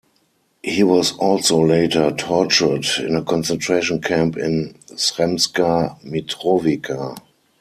He was also later tortured in a concentration camp in Sremska Mitrovica.